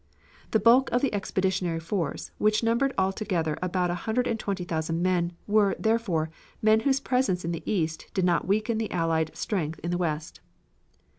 The bulk of the expeditionary force, which numbered altogether about a hundred and twenty thousand men, were, therefore, men whose presence in the east did not weaken the Allied strength in the west.